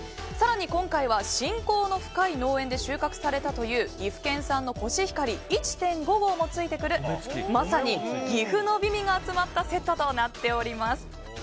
更に、今回は親交の深い農園で収穫されたという岐阜県産のコシヒカリ１．５合もついてくるまさに岐阜の美味が集まったセットとなっております。